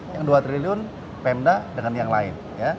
yang dua triliun pemda dengan yang lain